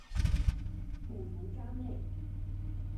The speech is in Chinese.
普卢扎内。